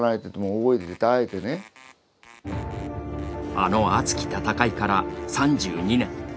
あの熱き戦いから３２年。